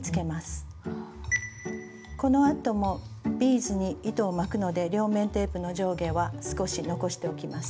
このあともビーズに糸を巻くので両面テープの上下は少し残しておきます。